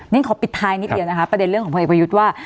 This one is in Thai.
นี่ขอปิดท้ายนิดเดียวนะคะประเด็นเรื่องของพลเอกประยุทธ์ว่า